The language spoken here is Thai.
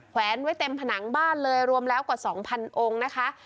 แวนไว้เต็มผนังบ้านเลยรวมแล้วกว่า๒๐๐องค์นะคะ